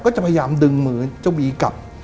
จะพยายามดึงมือเจ้าบีกลับ